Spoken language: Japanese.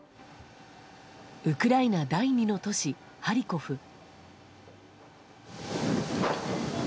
ウクライナ第２の都市ハリコフ。